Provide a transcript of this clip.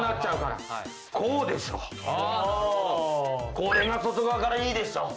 これが外側からいいでしょう。